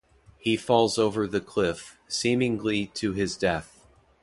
He falls over the cliff, seemingly to his death.